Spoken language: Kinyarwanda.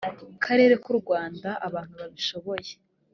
karere k u rwanda abantu babishoboye